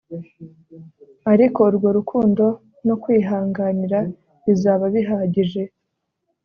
ariko urwo rukundo no kwihanganira bizaba bihagije